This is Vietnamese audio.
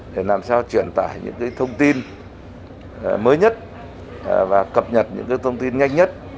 để làm sao truyền tải những thông tin mới nhất và cập nhật những thông tin nhanh nhất